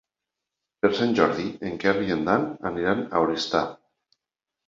Per Sant Jordi en Quer i en Dan aniran a Oristà.